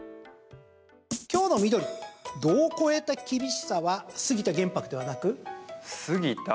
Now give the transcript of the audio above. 今日の緑、度を超えた厳しさは杉田玄白ではなく？